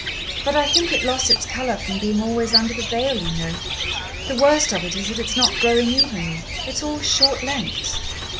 But I think it lost its colour from being always under the veil, you know. The worst of it is that it's not growing evenly, it's all short lengths."